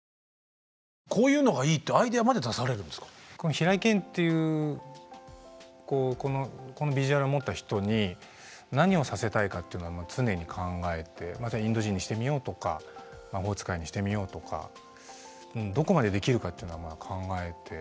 平井堅っていうこのビジュアルを持った人に何をさせたいかっていうのは常に考えてインド人にしてみようとか魔法使いにしてみようとかどこまでできるかっていうのは考えて。